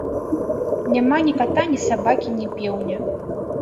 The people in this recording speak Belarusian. Няма ні ката, ні сабакі, ні пеўня.